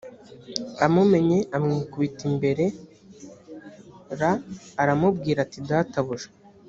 amumenya amwikubita imbere r aramubwira ati databuja